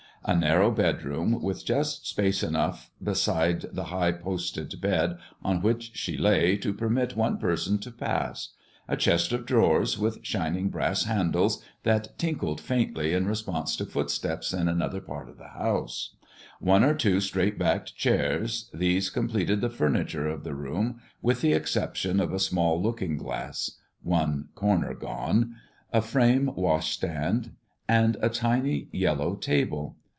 A narrow bedroom, with just space enough beside the high posted bed on which she lay to permit one person to pass; a chest of drawers, with shining brass handles that tinkled faintly in response to footsteps in another part of the house; one or two straight backed chairs: these completed the furniture of the room, with the exception of a small looking glass (one corner gone), a frame washstand, and a tiny yellow table.